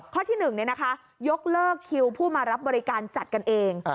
ข้อที่๑ยกเลิกคิวผู้มารับบริการจัดกันเอง